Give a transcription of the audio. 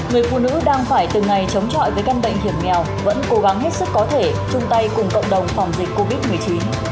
người phụ nữ đang phải từng ngày chống chọi với căn bệnh hiểm nghèo vẫn cố gắng hết sức có thể chung tay cùng cộng đồng phòng dịch covid một mươi chín